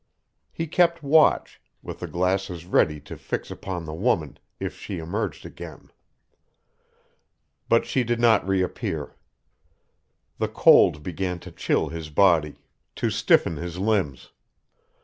He kept watch, with the glasses ready to fix upon the woman if she emerged again. But she did not reappear. The cold began to chill his body, to stiffen his limbs.